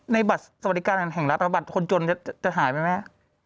ในบัตรสวัสดิการแห่งรับหรือบัตรคนจนจะถ่ายไหมไหม